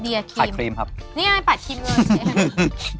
นี่ไงปากครีมล่ะเชฟ